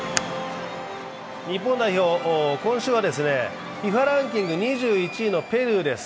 日本代表、今週はＦＩＦＡランキング２０位のペルーです。